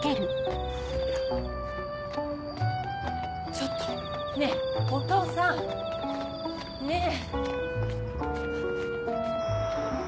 ちょっとねぇお父さん。ねぇ。